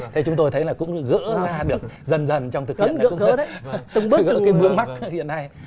thì chúng tôi thấy là cũng gỡ ra được dần dần trong thực tiễn này